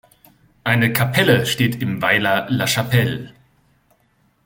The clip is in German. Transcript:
Eine Kapelle steht im Weiler La Chapelle.